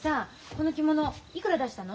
この着物いくら出したの？